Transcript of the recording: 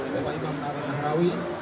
bapak imam tarun nahrawi